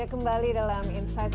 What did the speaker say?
kembali dalam insight